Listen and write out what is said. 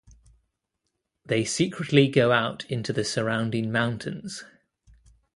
They secretly go out into the surrounding mountains.